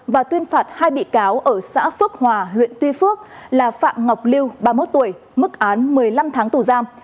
và tuyên phạt hai bị cáo ở xã phước hòa huyện tuy phước là phạm ngọc lưu ba mươi một tuổi mức án một mươi năm tháng tù giam